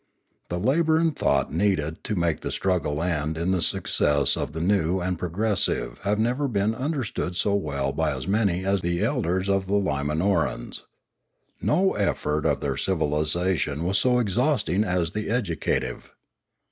The labour and thought needed to make the struggle end in the suc cess of the new and progressive have never been under stood so well by any as by the elders of the Limanorans. No effort of their civilisation was so exhausting as the educative.